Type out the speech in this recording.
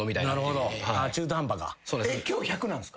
今日１００なんすか？